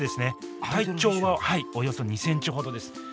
体長はおよそ２ｃｍほどです。